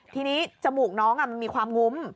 ทีนี้จมูกน้องมันมีความงุ้ม